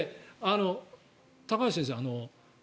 高橋先生